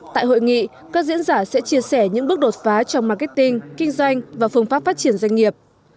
tại hội nghị các diễn giả sẽ chia sẻ những bước đột phá trong marketing kinh doanh và phương pháp phát triển doanh nghiệp